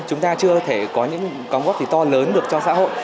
chúng ta chưa có thể có những công góp gì to lớn được cho xã hội